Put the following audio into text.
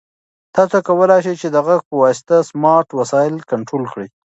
تاسو کولای شئ چې د غږ په واسطه سمارټ وسایل کنټرول کړئ.